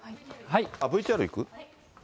ＶＴＲいく？